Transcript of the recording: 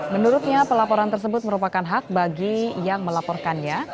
menurutnya pelaporan tersebut merupakan hak bagi yang melaporkannya